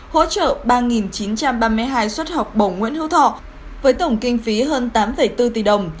hỗ trợ ba chín trăm ba mươi hai suất học bổng nguyễn hữu thọ với tổng kinh phí hơn tám bốn tỷ đồng